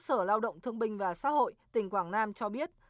sở lao động thương binh và xã hội tỉnh quảng nam cho biết